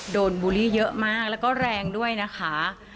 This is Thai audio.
บูลลี่เยอะมากแล้วก็แรงด้วยนะคะ